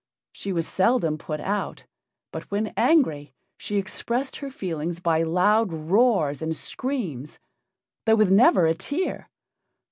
She was seldom put out, but when angry she expressed her feelings by loud roars and screams, though with never a tear!